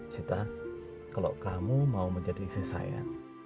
sita kalau kamu mau menjadi istri saya